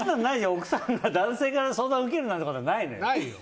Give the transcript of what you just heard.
奥さんが男性から相談受けるなんてことはないのよ。